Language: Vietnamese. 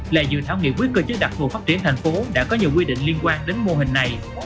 là dự thảo nghị quyết cơ chế đặc vụ phát triển thành phố đã có nhiều quy định liên quan đến mô hình này